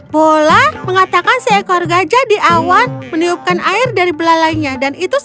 pola mengatakan seekor gajah di awan meniupkan air dari belah lagu